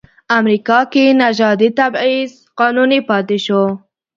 امریکا کې نژادي تبعیض قانوني پاتې شو.